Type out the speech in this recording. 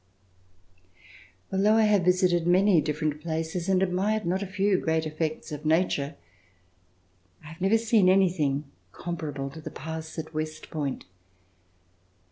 Although I have visited many different places, and admired not a few great effects of nature, I have never seen anything comparable with the pass of West Point.